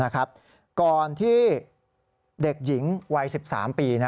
ก่อนที่เด็กหญิงวัย๑๓ปี